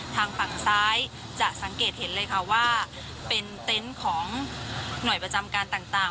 ทางฝั่งซ้ายจะสังเกตเห็นเลยค่ะว่าเป็นเต็นต์ของหน่วยประจำการต่าง